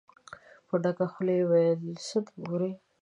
په ډکه خوله يې وويل: څه ته ګورئ؟